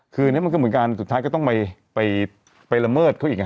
คืออันนี้มันก็เหมือนกันสุดท้ายก็ต้องไปละเมิดเขาอีกไง